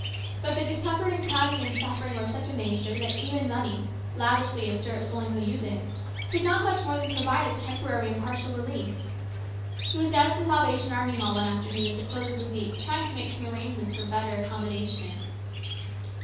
But the discomfort and crowding and suffering were of such a nature that even money, lavishly as Stuart was willing to use it, could not much more than provide a temporary and partial relief. He was down at the Salvation Army Hall one after noon at the close of the week, trying to make some arrangements for better accommodation.